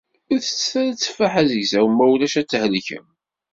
Ur tettet ara tteffaḥ azegzaw, ma ulac ad thelkem.